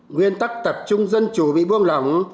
nguyên tắc tập trung dân chủ bị buông lỏng